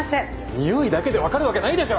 匂いだけで分かるわけないでしょ。